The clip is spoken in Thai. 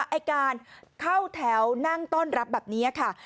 ไอ้การเข้าแถวนั่งต้อนรับแบบนี้ค่ะ